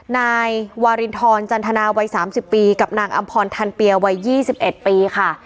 นายวารินทรจันทนาวัย๓๐ปีกับนางอำพรทันเปียวัย๒๑ปีค่ะ